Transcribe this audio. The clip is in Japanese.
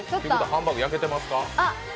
ハンバーグ焼けてますか？